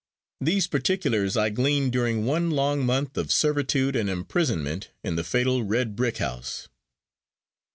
These particulars I gleaned during one long month of servitude and imprisonment in the fatal red brick house.